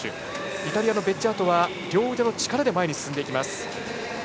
イタリアのベッジャートは両腕の力で前に進んでいきます。